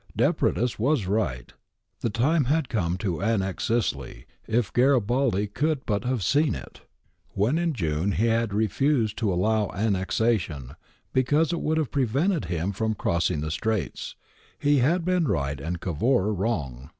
Depretis was right. The time had come to annex Sicily, if Garibaldi could but have seen it. When in June he had refused to allow annexation because it would have prevented him from crossing the Straits, he had been right and Cavour wrong.''